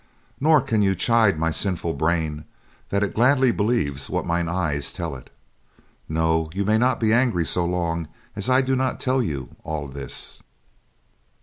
Nor can you chide my sinful brain that it gladly believes what mine eyes tell it. No, you may not be angry so long as I do not tell you all this."